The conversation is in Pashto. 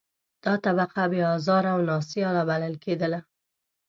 دا طبقه بې آزاره او نا سیاله بلل کېدله.